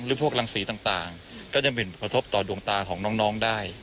พวกรังสีต่างก็จะกระทบต่อดวงตาของน้องได้